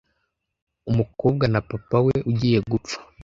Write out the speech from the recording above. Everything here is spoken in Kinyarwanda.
Umukobwa na papa we ugiye gupfa.